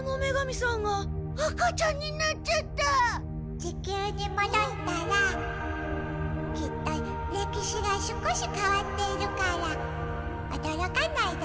地球にもどったらきっと歴史が少しかわっているからおどろかないでね。